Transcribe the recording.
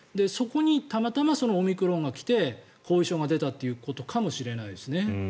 そこにたまたまオミクロンが来て後遺症が出たということかもしれないですね。